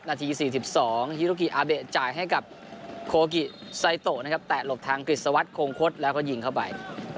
นาที๔๒ฮิรกิอาเบะจ่ายให้กับโคกิไซโตนะครับแตะหลบทางกฤษวัสดิโคงคดแล้วก็ยิงเข้าไป